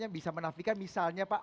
bisa menafikan misalnya pak